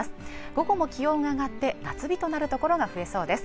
午後も気温が上がって夏日となる所が増えそうです